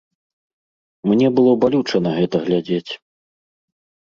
Мне было балюча на гэта глядзець.